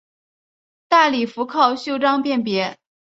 大礼服靠袖章辨别。